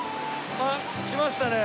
あっ来ましたね